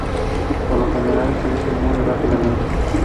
Por lo general, crecen muy rápidamente.